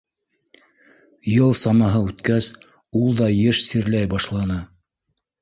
Йыл самаһы үткәс, ул да йыш сирләй башланы.